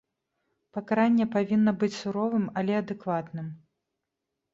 Пакаранне павінна быць суровым, але адэкватным.